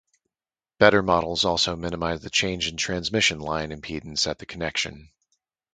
Better models also minimize the change in transmission line impedance at the connection.